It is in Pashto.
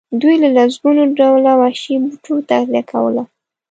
دوی له لسګونو ډوله وحشي بوټو تغذیه کوله.